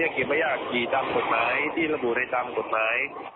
เก็บประหยากกับขี่ตามกฎหมายที่ระบุได้ตามกฎหมาย